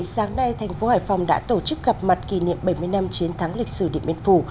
sáng nay thành phố hải phòng đã tổ chức gặp mặt kỷ niệm bảy mươi năm chiến thắng lịch sử điện biên phủ